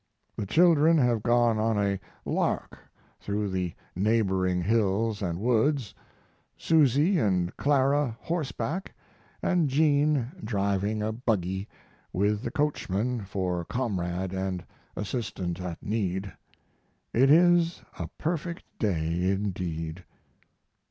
The children have gone on a lark through the neighboring hills and woods, Susie and Clara horseback and Jean, driving a buggy, with the coachman for comrade and assistant at need. It is a perfect day indeed.